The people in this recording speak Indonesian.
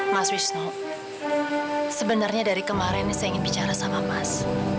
mas wisnu sebenarnya dari kemarin saya ingin bicara sama mas